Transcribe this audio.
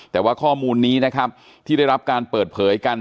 แต่ว่าข้อมูลนี้นะครับที่ได้รับการเปิดเผยกัน